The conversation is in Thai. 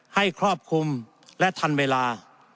ครอบคลุมและทันเวลา